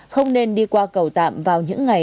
không nên đi qua cầu tạm vào những ngày